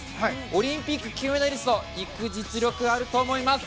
オリンピック金メダリストいく実力あると思います。